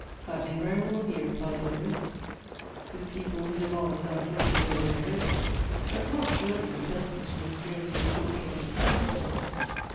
" That may very well be," replied Edward, " with peo ple who live on without looking where they are going ; but not, surely, with persons whom experience has taught to understand themselves."